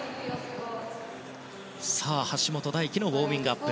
橋本大輝のウォーミングアップ。